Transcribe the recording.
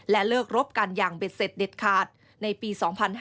เลิกรบกันอย่างเบ็ดเสร็จเด็ดขาดในปี๒๕๕๙